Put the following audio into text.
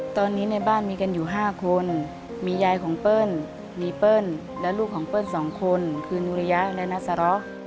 ตอนนี้ในบ้านมีกันอยู่๕คนมียายของเปิ้ลมีเปิ้ลและลูกของเปิ้ล๒คนคือนุริยะและนัสร้อ